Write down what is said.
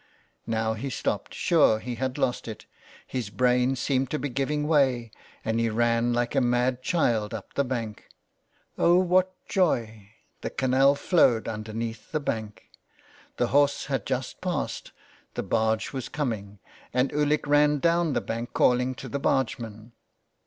Now he stopped, sure that he had lost it; his brain seemed to be giving way, and he ran like a mad child up the bank. Oh, what joy ! The canal flowed under neath the bank. The horse had just passed, the barge was coming, and Ulick ran down the bank calling to the bargeman.